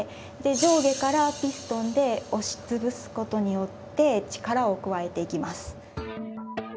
上下からピストンで押し潰すことによって力を加えていきます。